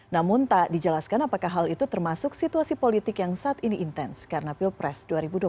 namun tak dijelaskan apakah hal itu termasuk situasi politik yang saat ini intens karena pilpres dua ribu dua puluh